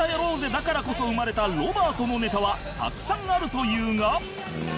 だからこそ生まれたロバートのネタはたくさんあるというが